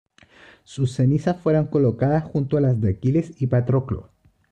Sus cenizas fueron colocadas junto a las de Aquiles y Patroclo.